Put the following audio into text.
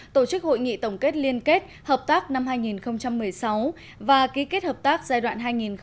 tổ chức hội nghị tổng kết liên kết hợp tác năm hai nghìn một mươi sáu và ký kết hợp tác giai đoạn hai nghìn một mươi sáu hai nghìn hai mươi